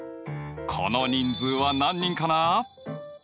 この人数は何人かな？